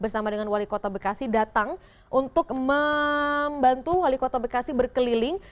bersama dengan wali kota bekasi datang untuk membantu wali kota bekasi berkeliling